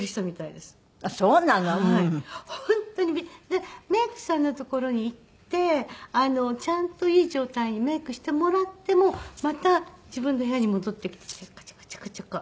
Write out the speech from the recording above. でメイクさんの所に行ってちゃんといい状態にメイクしてもらってもまた自分の部屋に戻ってきてチャカチャカチャカチャカ。